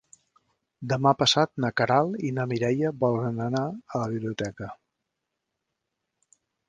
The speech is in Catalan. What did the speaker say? Demà passat na Queralt i na Mireia volen anar a la biblioteca.